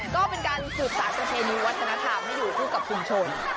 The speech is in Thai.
ก็เป็นการสูดสารเข้าไปปริศนีววัฒนธรรมให้อยู่ที่กับคุณโชน